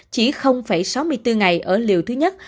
chỉ sáu mươi bốn ngày ở liều thứ nhất